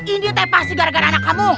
ini tepa segar garan anak kamu